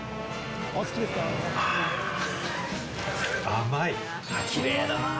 甘い！